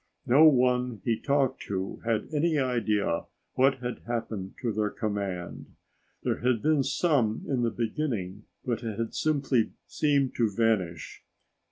No one he talked to had any idea what had happened to their command. There had been some in the beginning, but it had simply seemed to vanish.